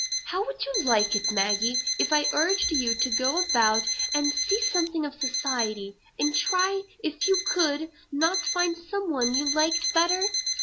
"How should you like it, Maggie, if I urged you to go about and see something of society, and try if you could not find some one you liked better?